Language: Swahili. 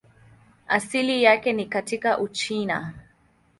Asili yake ni katika Uchina.